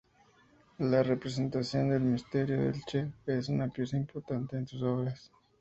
La representación del Misterio de Elche es una pieza importante en sus obras.